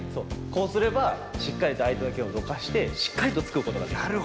こうすればしっかりとあいてのけんをどかしてしっかりとつくことができる。